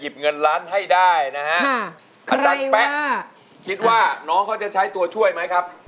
เป็นเราเราก็เล่นเนาะ